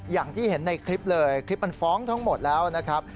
อย่างที่เห็นในคลิปเลยคลิปมันฟ้องทั้งหมดแล้วนะครับ